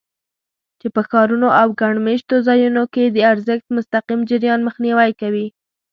چې په ښارونو او ګڼ مېشتو ځایونو کې د اورښت مستقیم جریان مخنیوی کوي.